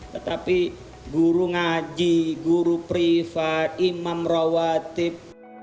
tetapi guru ngaji guru privat imam rawatib